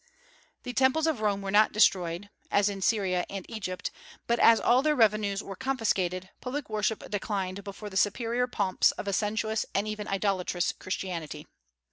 The temples of Rome were not destroyed, as in Syria and Egypt; but as all their revenues were confiscated, public worship declined before the superior pomps of a sensuous and even idolatrous Christianity.